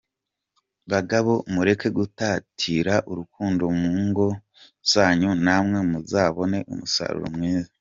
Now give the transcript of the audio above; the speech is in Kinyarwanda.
Bagabo mureke gutatira urukundo mu ngo zanyu namwe muzabona umusaruro mwiza.